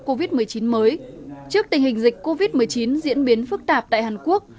covid một mươi chín mới trước tình hình dịch covid một mươi chín diễn biến phức tạp tại hàn quốc